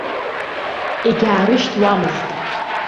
Егьаарышьҭуамызт.